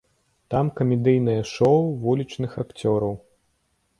Там камедыйнае шоў вулічных акцёраў.